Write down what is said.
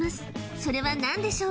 それは何でしょう？